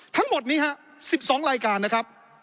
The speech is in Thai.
ทั้งหมดนี้ฮะ๑๒รายการนะครับ